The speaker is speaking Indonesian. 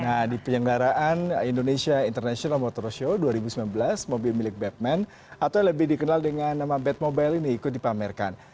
nah di penyelenggaraan indonesia international motor show dua ribu sembilan belas mobil milik batman atau yang lebih dikenal dengan nama bad mobile ini ikut dipamerkan